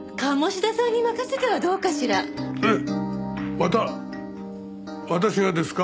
また私がですか？